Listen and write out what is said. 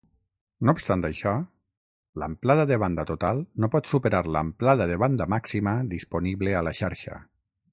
No obstant això, l'amplada de banda total no pot superar l'amplada de banda màxima disponible a la xarxa.